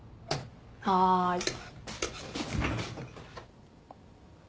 はい。